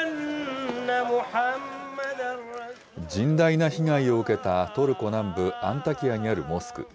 甚大な被害を受けたトルコ南部アンタキヤにあるモスク。